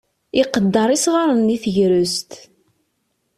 Iqedder isɣaren i tegrest.